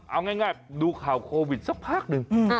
เอาง่ายดูข่าวโควิดสักพักหนึ่ง